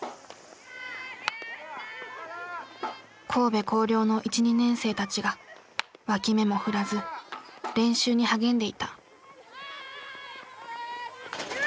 神戸弘陵の１２年生たちが脇目も振らず練習に励んでいた。